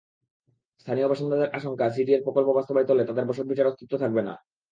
স্থানীয় বাসিন্দাদের আশঙ্কা, সিডিএর প্রকল্প বাস্তবায়িত হলে তাঁদের বসতভিটার অস্তিত্ব থাকবে না।